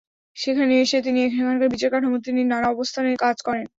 সেখানে এসে তিনি সেখানকার বিচার কাঠামোতে তিনি নানা অবস্থানে কাজ করেন।